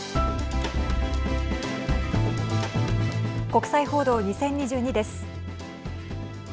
国際報道２０２２です。